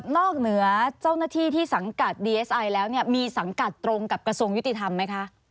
เหนือเจ้าหน้าที่ที่สังกัดดีเอสไอแล้วเนี่ยมีสังกัดตรงกับกระทรวงยุติธรรมไหมคะ